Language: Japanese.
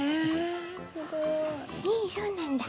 そうなんだ。